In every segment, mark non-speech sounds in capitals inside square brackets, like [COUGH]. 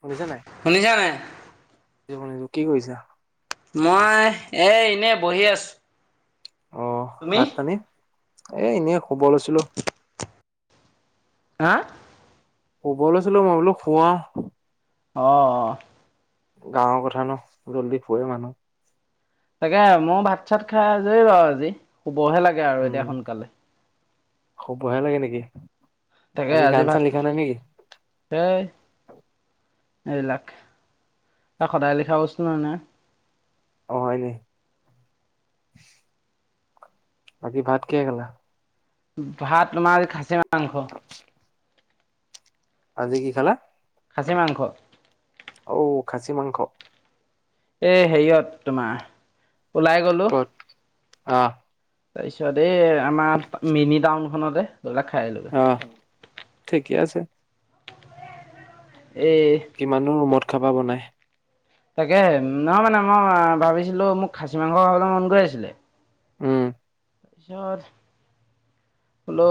শুনিছা নাই? শুনিছা নাই? [UNINTELLIGIBLE] কি কৰিছা? মই, এই এনেই বহি আছোঁ। অ', ভাত পানী? এ, এনেই খব লৈছিলো। আ? শুব লৈছিলো মই বোলো শু আও। অ', অ'। গাঁৱৰ কথা ন, জল্দি ফুৱে মানুহ। তাকে ময়ো ভাত চাত খাই আজৰি বাৰু আজি, শুবহে লাগে আৰু এতিয়া সোনকালে। খবহে লাগে নেকি? তাকে আজি গান চান ভাত লিখা নাই নেকি? এই এইবিলাক, সদায় লিখা বস্তু নহয় নহয়। অ', হয়নি? বাকি ভাত কিহে খালা? ভাত তোমাৰ আজি খাছী মাংস। আজি কি খালা? খাছী মাংস। ঔ খাচী মাংস। এ হেৰিয়ত তোমাৰ, ওলাই গলো। অ'। তাৰপিছত এই আমাৰ মিনি টাউনখনতে গৈ পেলাই খাই আহিলোগে। আহ ঠিকে আছে এই কিমান নো ৰুমত খাবা বনায় তাকে নহয় মানে মই ভাবিছিলো মোক খাচী মাংস খাবলৈ মন গৈ আছিলে। উম সিহঁত বোলো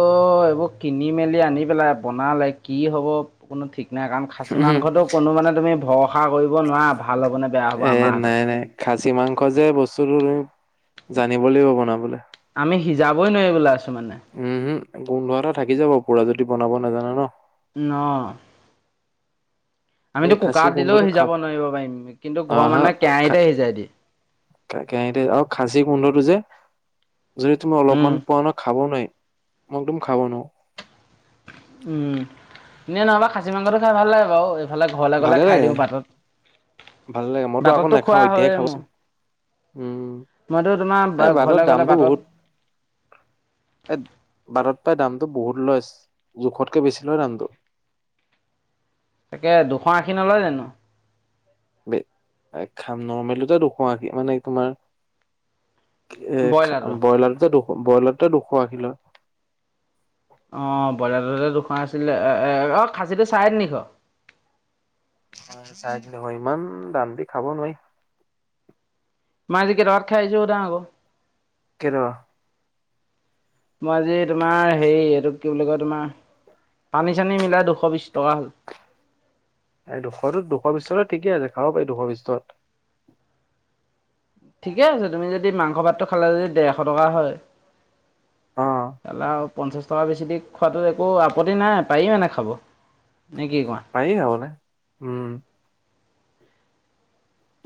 এইবোৰ কিনি মেলি আনি পেলাই, বনালে কি হ'ব কোনো ঠিক নাই কাৰণ খাচী উহু মাংসটো কোনো মানে তুমি ভৰসা কৰিব নোৱাৰা। ভাল হ'ব নে বেয়া হ'ব? এ আমাৰ হাতত। নাই নাই খাচী মাংস যে বস্তুটো তুমি, জানিব লাগিব বনাবলে। আমি সিজাবই নোৱাৰিবলৈ আছোঁ মানে উমহু, গোন্ধ এটা থাকি যাব পুৰা যদি বনাব নাজানা ন? ন এই আমিতো খাচী কুকাৰত দিলেও গোন্ধটো খাব সিজাব নোৱাৰিব পাৰিম, কিন্তু ঘৰৰ মানুহে কেৰাহীতে সিজাই দিয়ে। কে কেৰাহীতে আৰু খাচী গোন্ধটো যে যদি তুমি উম অলপমান পোৱা নহয়, খাব নোৱাৰি। মই একদম খাব নোৱাৰোঁ উম, এনেই নহ'বা খাচী মাংসটো খাই ভাল লাগে বাৰু এ এইফালে ঘৰলে গ'লে খাই দিওঁ বাটত। ভাল লাগে, মইতো আকৌ বাটততো নাখাও, খোৱা এতিয়াহে হয়ে মোৰ খাবচোন উম, মইতো তোমাৰ এ বাটত ঘৰলে গ'লে দামটো বাটত বহুত। এই বাটত পাই দামটো বহুত লয়ছ, জোখতকে বেছি লয় দামটো। তাকে দুশ আশী নলয় জানো? বে, বে খাম নৰ্মেলটোতে দুশ আশী, মানে তোমাৰ এ, খা ব্ৰইলাৰটো ব্ৰইলাৰটোতে দুশ, ব্ৰইলাৰটোতে দুশ আশী লয়। অ'ব্ৰইলাৰটোতে দুশ আছিলে, এ, এ, এ অ' খাচীটো চাৰে তিনিশ। চাৰে তিনি শ, ইমান দাম দি খাব নোৱাৰি। মই আজি কেই টকাত খাই আহিছোঁ সুধা আকৌ। কেই টকা? মই আজি তোমাৰ হেৰি, এইটো কি বুলি কয়, তোমাৰ পানী-চানী মিলাই দুশ বিশ টকা হ'ল। এই দুশ দুশ বিশ ঠিকে আছে খাব পাৰি দুশ বিশ টকা। ঠিকে আছে তুমি যদি মাংস ভাতটো খালে যদি ডেৰশ টকা হয়। অ। তালাও পঞ্চাছ টকা বেছি দি খোৱাটো একো আপত্তি নাই পায়ি মানে খাব নে কি কোৱা। পাৰি আৰু খাবলে উম।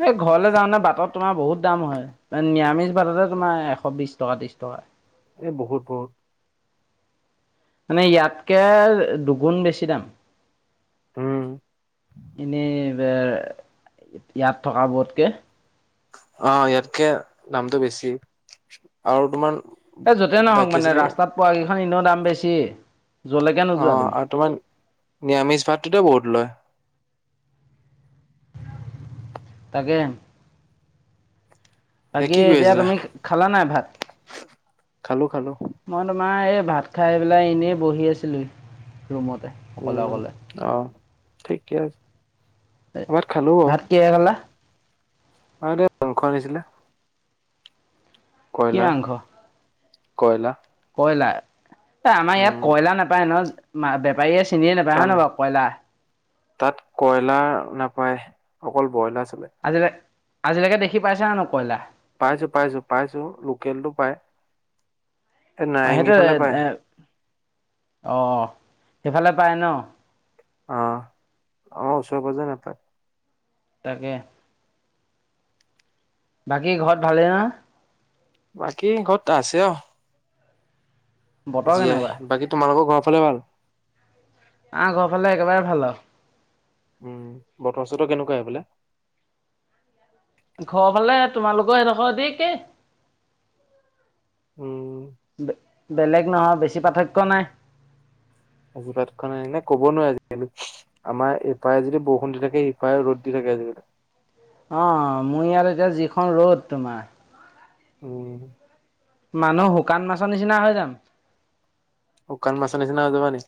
এই ঘৰলে যাওতে বাটত তোমাৰ বহুত দাম হয় নিৰামিষ ভাততে তোমাৰ এশ বিশ টকা তিছ। তো। এই বহুত বহুত। মানে ইয়াতকে দুগুণ বেছি দাম। উম এনেই ইয়াত থকা বোৰতকে। অ ইয়াতকে দামটো বেছি আৰু তোমাৰ। এই য'তেই দা নহওক কি মানে আছিলে ৰাস্তাত পোৱা কেইখন ইনেও দাম বেছি। য'লৈকে নোযোৱা অ', তুমি। আৰু তোমাৰ, নিৰামিষ ভাতটোতে বহুত লয়। তাকে বাকী কি কৰি এতিয়া আছিলা? তুমি খালা নাই ভাত? খালো খালো। মই তোমাৰ এই ভাত খাই পেলাই এনেই বহি আছিলো ৰুমতে। উম অকলে অকলে। অ ঠিকে আছে ভাত খালো অ। ভাত কিহে খালা। তাহাতে মাংস আনিছিলে। কি কয়লাৰ, মাংস? কয়লা। কয়লাৰ এই আমাৰ ইয়াত উম কয়লা নাপায় ন, বেপাৰীয়ে চিনিয়ে নাপায় তাত হয় নাই বাৰু কয়লা। তাত কয়লাৰ নাপায় অকল ব্ৰইলাৰ চালে। আজিলে আজিলেকে দেখি পাইছা জানো কয়লা। পাইছো পাইছো পাইছো লোকেলটো পাই। অ সেইটোৱে পায়। এ অ সেইফালে পাই ন। অ অ ওচৰ পাজেই নাপায়। তাকে। বাকী ঘৰত ভালেই নহয়। বাকী ঘৰত আছে অ। বতৰ জিয় কেনেকুৱা? বাকী তোমালোকৰ ঘৰৰ ফালে ভাল। আমাৰ ঘৰৰ ফালে একেবাৰে ভাল আও। উম বতৰ চতৰ কেনেকুৱা সেই ফালে। ঘৰ ফালে তোমালোকৰ সেইডখৰ দি একেই। উম বেলেগ নহয় বেছি পাৰ্থক্য নাই। ক'ব নোৱাৰো আজিকালি। আমাৰ এইপাৰে যদি বৰষুণ দি থাকে ইপাৰে ৰ'দ দি থাকে আজিকালি। অ মোৰ ইয়াত এতিয়া যিখন ৰ'দ তোমাৰ। উম। মানুহ শুকান মাছৰ নিচিনা হৈ যাম। শুকান মাছৰ নিছিনা হয় যাবা নি।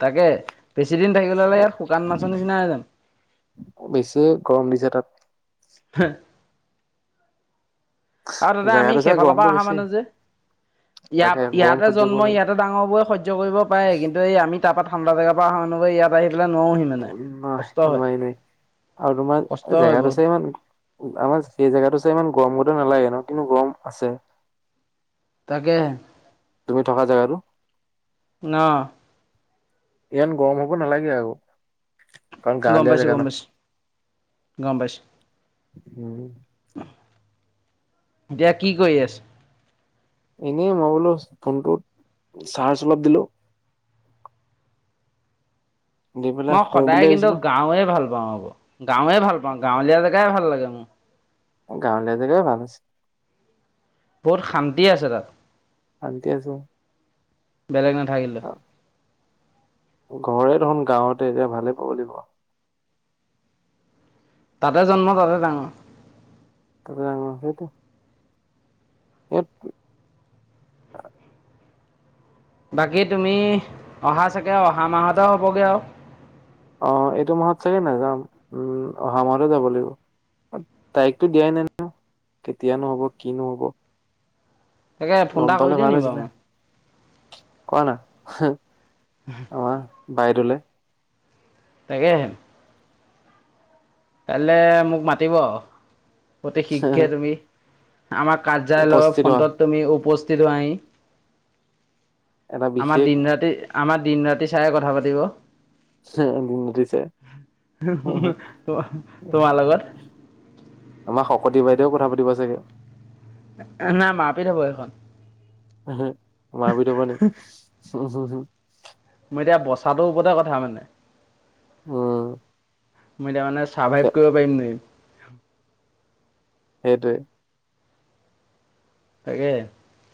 তাকে। বেছি দিন থাকিলে হ'লে ইয়াত শুকান মাছৰ নিচিনা হয় য়াম। বেছি গৰম দিছে তাত [UNINTELLIGIBLE] আৰু তাতে আমি জেগাটো চাই সেইফালৰ পা গৰমটো অহা বেছি মানুহ যে। ইয়াত তাকে গৰম ইয়াতে সহ্য জন্ম কৰিব ইয়াতে ডাঙৰ বোৰে সহ্য কৰিব পাৰে, কিন্তু এই আমি তাপা ঠাণ্ডা জাগা পা অহা মানুহবোৰে ইয়াত আহি পেলাই নোৱাৰোহি। মানে। নহ কষ্ট হয়, নোৱাৰি নোৱাৰি আৰু কষ্ট তোমাৰ হয় জেগাতো বহুত চাই ইমান। আমাৰ সেই জেগাটো চাই ইমান গৰম গতে নালাগে ন, কিন্তু গৰম আছে। তাকে। তুমি থকা জেগাতো। ন। ইমান গৰম হব নালাগে আৰু। কাৰণ গম গাৱলীয়া পাইছোঁ, জেগা গম পাইছোঁ। ন। দিয়া কি কৰি আছ? এনেই মই বোলো ফোনটোত চাৰ্জ অলপ দিলো। দি পেলাই মই শু বুলি সদায় কিন্তু আহিছিলো গাঁৱে ভাল পাওঁ আকৌ, গাঁৱে ভাল পাওঁ গাঁৱলীয়া জেগাই ভাল লাগে মো। গাঁৱলীয়া জেগাই ভাল আছে। বহুত শান্তি আছে তাত। শান্তি আছে। বেলেগ নাথাকিলেও। ঘৰে দেখোন গাঁৱতে এতিয়া ভালে পাব লাগিব। তাতে জন্ম তাতে ডাঙৰ। [UNINTELLIGIBLE] সেইটো [UNINTELLIGIBLE] বাকী তুমি, অহা চাগে অহা মাহতে হ'বগৈ আৰু। অ, এইটো মাহত চাগে নাযাম। উম, অহা মাহতে যাব লাগিব। তাৰিখটো দিয়াই নাই নহয়, কেতিয়ানো হ'ব কিনো হ'ব? তাকে ফোন গম এটা কৰি পালে দিওঁ ভাল নি বাৰু আছিলে। মই কোৱা না? [INAUDIBLE] আমাৰ, বাইদেউলে। তাকেহে কাইলে মোক মাতিব। অতি শীঘ্ৰে তুমি, আমাক কাৰ্যালয়ৰ উপস্থিত হোৱা ফ্ৰণ্টত তুমি উপস্থিত হোৱাহি। এটা আমাৰ বিশেষ দিন ৰাতি, আমাৰ দিন ৰাতি চাইহে কথা পাতিব। [UNINTELLIGIBLE] তোমাৰ, তোমাৰ লগত। আমাৰ শকতি বাইদেও কথা পাতিব চাগে। নাই, মাৰপিট হব এইখন। মাৰপিট হব নিকি? [UNINTELLIGIBLE] মই এতিয়া বচাটো ওপৰতে কথা মানে। উম। মই এতিয়া মানে, চাৰ্ভাইভ কৰিব পাৰিম নে নোৱাৰিম? সেইটোৱে। তাকে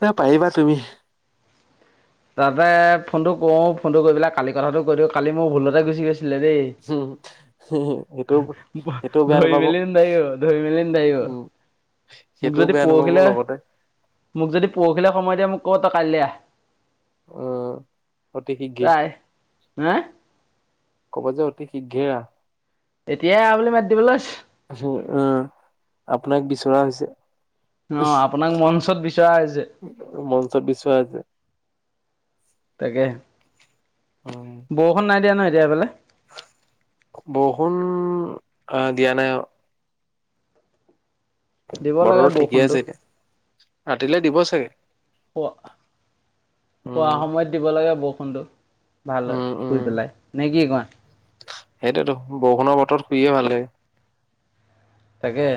এ, পাৰিবা তুমি। তাতে ফোনটো কওঁ ফোনটো কৰি পেলাই কালি কথাটো কৈ দিওঁ, কালি মোৰ ভুলতে গুচি গৈছিলে দেই। সেইটো সেইটোও বেয়া ঘৰি নাপাব মেলি নোৱাৰিব, ধৰি মেলি নোৱাৰিব। উম মোক সেইটোও যদি বেয়া নাপাব পৰশিলে, লগতে মোক যদি পৰশিলে সময় দিয়ে মোক কব তই কাইলে আহ। উম। তাইৰ, হা? ক'ব যে, অতি শীঘ্ৰেই আহ। এতিয়াই আহ বুলি মাতি দিবলৈও আছে অ, আপোনাক বিচৰা হৈছে। অ, আপোনাক মঞ্চত বিচৰা হৈছে। মঞ্চত বিচৰা হৈছে তাকেহে [UNINTELLIGIBLE] বৰষুণ নাই দিয়া ন, এতিয়া সেইফালে? বৰষুণ, অ, দিয়া নাই অ। দিব লাগে বতৰটো ঠিকে বৰষুণটো আছে এতিয়া, ৰাতিলে দিব চাগে। [UNINTELLIGIBLE] শুৱা উম সময়ত দিব লাগে বৰষুণটো, ভাল হয় উম শুই পেলাই, নে কি কোৱা? সেইটোৱেটো, বৰষুণৰ বতৰত শুইয়ে ভাল লাগে। তাকে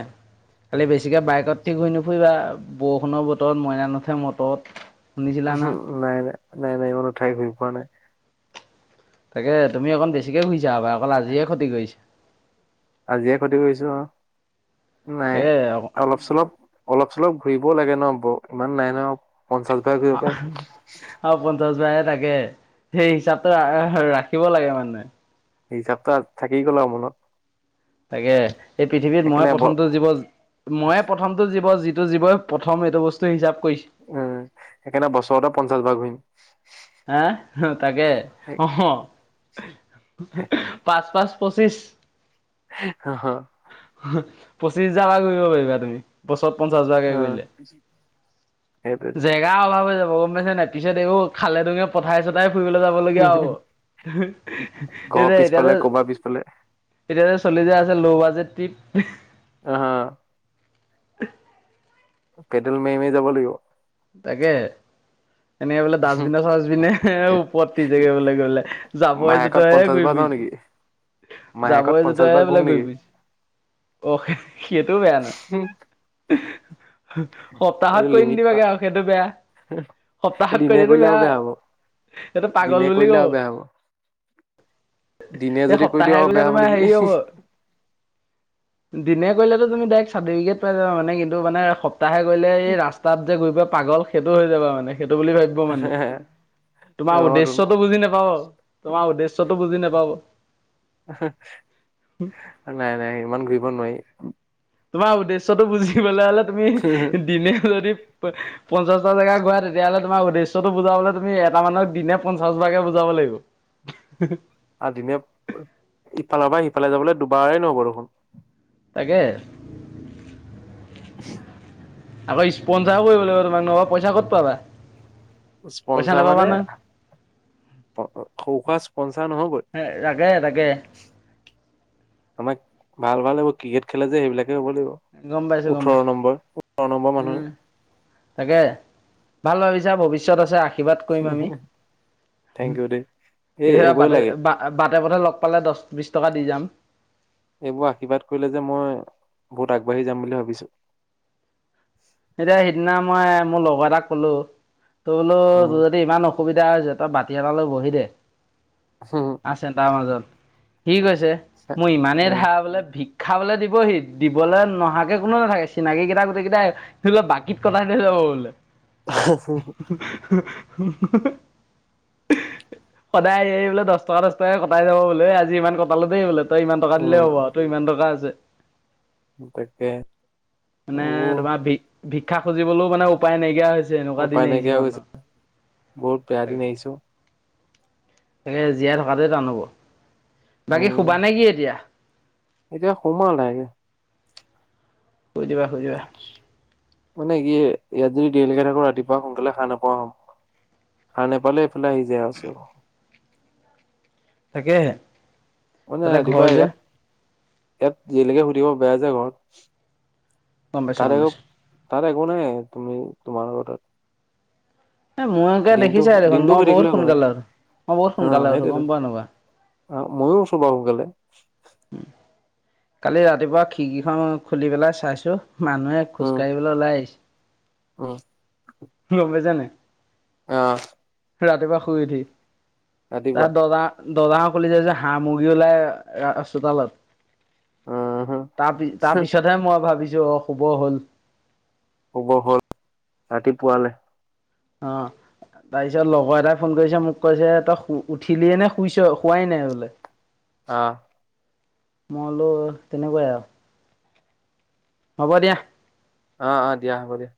খালি বেছিকে বাইকত উঠি ঘূৰি নুফুৰিবা, বৰষুণৰ বতৰত মইনা নুথে মটৰত। শুনিছিলা উহু নহয় নাই, নাই, নাই, নাই, ইমানো ঠাই ঘূৰি ফুৰা নাই। তাকে, তুমি অকণ বেছিকে ঘূৰিছা, অকল আজিয়ে ক্ষতি কৰিছা। আজিহে ক্ষতি কৰিছোঁ আৰু নাই তাকে অলপ চলপ অলপ চলপ ঘূৰিবও লাগে ন ইমান নাই ন পঞ্চাছ বাৰ ঘূৰিব আহ পাৰিম অ পঞ্চাশ হাজাৰহে থাকে সেই হিচাপটো ৰাখিব লাগে মানে। হিচাপতো আ থাকি গ'ল আৰু মনত। তাকে এই পৃথিৱীত মই সেইকাৰণে ব প্ৰথমটো জীৱ মইয়ে প্ৰথমটো জীৱ যিটো জীৱই প্ৰথম এইটো বস্তু হিচাপ কৰিছে। উম সেইকাৰণে বছৰতো পঞ্চাশ বাৰ ঘূৰিম আ তাকে অঁহ পাঁচ পাঁচ পঁচিছ। অ হ পঁচিছ হাজাৰ পৰা কৰিব পাৰিবা তুমি। বছৰত পঞ্চাশ হাজাৰকে অ কৰিলে সেইটোৱেটো যে গা অল হৈ যাব গম পাইছা নে নাই পিছত আকৌ খালে তুমি পথাৰে চথাৰে ফুৰিবলৈ ল'ব ফুৰিব লাগিয়া হব ঘৰৰ সেয়ে এতিয়া পিছফালে ক'বাৰ পিছফালে তেতিয়া যে চল্লিশ হাজাৰ আছে ল' বাজেট টিপ অহ পেডেল মাৰি মাৰি যাব লাগিব। তাকে এনেকে বোলে ডাষ্টবিনে চাষ্টবিনে ওপৰেদি বোলে গলে যাবৰে মাহেকত জোথোৰে পঞ্চাশ ঘূৰি বাৰ যাওঁ ফুৰিছে নেকি মাহেকত জাবৰে পঞ্চাশ বাৰ জোথৰেহে বোলে ঘূৰো ঘূৰি নেকি ফুৰিছে। অ সেইটোও বেয়া নহয়। এইটো সপ্তাহত কৰিম লিমিট পা দিবাগে আৰু সেইটো বেয়া সপ্তাহত কৰি দিনে দিয়া টো কৰিলে আৰু হ'ব বেয়া। এইটো দিনে পাগল বুলি কৰিলে ক'ব। আৰু বেয়া হ'ব দিনে এই যদি কৰি দিওঁ সপ্তাহে আৰু গ'লে বেয়া হ'ব তোমাৰ নেকি হেৰি হ'ব। দিনে কৰিলেটো তুমি ডাইৰেক্ট চাৰ্টিফিকেট পাই যাবা মানে কিন্তু মানে সপ্তাহে কৰিলে এই ৰাস্তাত যে ঘূৰি ফুৰে পাগল সেইটো হৈ যাবা মানে সেইটো বুলি ভাবিব মানে। অ তোমাৰ তুন উদ্দেশ্যটো বুজি নাপাব, তোমাৰ উদ্দেশ্যটো বুজি নাপাব। নাই নাই ইমান ঘূৰিব নোৱাৰি। তোমাৰ উদ্দেশ্যটো বুজিবলৈ হ'লে তুমি দিনেও যদি পঞ্চাছ বাৰ গৈ থাকা তেতিয়াহলে তোমাৰ উদ্দেশ্যটো বুজাবলৈ তুমি এটা মানুহে দিনে পঞ্চাছ বাৰকে বুজাব লাগিব। আৰু দিনত ইফালৰ পৰা সিফালে যাবলৈ দুবাৰেই নহ'ব দেখোন। তাকে [UNINTELLIGIBLE] আকৌ স্পঞ্জাৰো কৰিব লাগিব ন মানে পইচা ক'ত পাবা। পইচা স্পনচাৰ নাপাবা মানে নহয়। সৰু হুৱা স্পনচাৰ নহ'বই [UNINTELLIGIBLE] তাকে আমাক ভাল ভাল ক্ৰিকেট খেলে যে সেইবিলাকে হ'ব গম পাইছো লাগিব। গম ওঠৰ পাইছো নম্বৰ ওঠৰ নম্বৰ মানুহ উম তাকে ভাল ভাবিছা ভৱিষ্যত আছে আশ আশীৰ্বাদ কৰিম আমি থেংক ইউ দেই এই কেতিয়াবা এইবোৰে বাটে লাগে বাটে পথে লগ পালে দহ বিছ টকা দি যাম। এইবোৰ আশীৰ্বাদ কৰিলে যে মই বহুত আগবাঢ়ি যাম বুলি ভাবিছোঁ। এতিয়া সিদিনা মই মোৰ লগৰ এটাক ক'লো তই বোলো উম যদি ইমান অস অসুবিধা হৈছে তই বাতি এটালৈ বহি দে। উম। আৰ চেণ্টাৰৰ মাজত। সি কৈছে মোৰ ইমানেই উম ধাৰ বোলে ভিক ক্ষা বোলে দিবহি, দিবলৈ নহাকে কোনো নাথাকে। চিনাকি কেইটা গোটেই কেইটাই আহিব। বাকীত কটাই লৈ যাব বোলে। সদায় আহি আহি এই বোলে দহ টকা, দহ টকা কটাই যাব বোলে, আজি ইমান কটালো বোলে। তই ইমান টকা দিলেই হ'ব, তোৰ ইমান টকা আছে। উম তাকে মানে এইবোৰ তোমাৰ ভিক- ভিক্ষা খুজিবলৈও মানে উপায় নাইকিয়া হৈছে। এনেকুৱা উপায় দিনে আহিছে নাইকিয়া হৈ গৈছে মানুহৰ, বহুত বেয়া তাকে। দিন আহিছো তাকে জীয়াই থকাটোয়ে টান হ'ব, বাকী শুবা উম, নে কি এতিয়া? এতিয়া শুম আৰু লাহেকে। শুই দিবা। শুই দিবা মানে কি ইয়াত যদি দেৰিলৈকে থাকোঁ, ৰাতিপুৱা সোনকালে সাৰ নাপোৱা হ'ম। সাৰ নেপালে এইফালে আহি যাই আৰু [UNINTELLIGIBLE] তাকে হে। মানে ৰাতিপুৱা ইয়াত, ইয়াত দেৰিকেলে শুই থাকিব বেয়া যে ঘৰত। গম পাইছো গম পাইছো তাত, আ' একো নাই তুমি তোমালোকৰ তাত। এ, মোৰে গাৰে দিনটো দেখিছাই দেখোন, দিনটো মই শুই বহুত থাকিলেও একো নাই। সোনকালে উঠো, মই বহুত অ', সোনকালে উঠোঁ সেইটোৱেতো গম পোৱা নে নাপোৱা। অ', ময়ো উঠোঁ বাৰু সোনকালে। [INAUDIBLE] কালি ৰাতিপুৱা খিৰিকিখন খুলি পেলাই চাইছোঁ, মানুহে খোজ উম, কাঢ়িবলৈ ওলাই আহিছে। উম। গম পাইছা নে নাই। অ'। ৰাতিপুৱা শুই উঠি, তাত ৰাতিপুৱা দৰ্জা দৰ্জাখন খুলি চাইছোঁ হাঁহ মুৰ্গী ওলাই চোতালত। উম, হু। তাৰ-তাৰপিছতহে মই ভাবিছোঁ অ', শুব হ'ল। শুব হ'ল, ৰাতি পুৱালে। অ'। তাৰপিছত লগৰ এটাই ফোন কৰিছে, মোক কৈছে তই উঠিলিয়ে নে, শুইছ শোৱাই নাই বোলে। অ'। মই বোলো তেনেকুৱাই আৰু। হ'ব দিয়া। অ', অ', দিয়া হ'ব দিয়া।